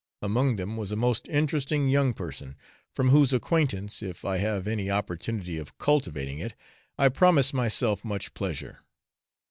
Among them was a most interesting young person, from whose acquaintance, if I have any opportunity of cultivating it, I promise myself much pleasure.